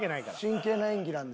真剣な演技なんで。